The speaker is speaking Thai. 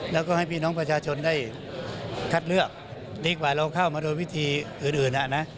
แล้วก็ให้พี่น้องประชาชนได้คัดเลือกดีกว่าเราเข้ามาโดยวิธีอื่น